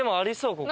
ここ。